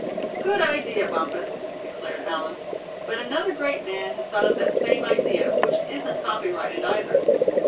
"Good idea, Bumpus," declared Allan. "But another great man has thought of that same idea, which isn't copyrighted either.